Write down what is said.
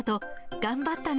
頑張ったね！